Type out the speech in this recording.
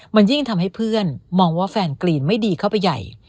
มันยิ่งทำให้เพื่อนมองว่าแฟนกรีนไม่ดีเข้าไปใหญ่